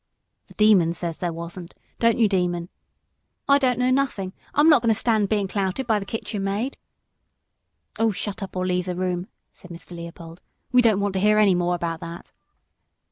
"The Demon says there wasn't above a stone. Don't you, Demon?" "I don't know nothing! I'm not going to stand being clouted by the kitchen maid." "Oh, shut up, or leave the room," said Mr. Leopold; "we don't want to hear any more about that."